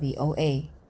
demikian laporan voa